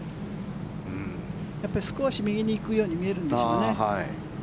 やっぱり少し右に行くように見えるんでしょうね。